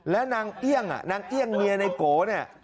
และนางเอี่ยงนางเอี่ยงเมียนายโกนี่